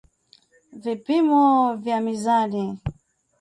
Vipimo vya mizani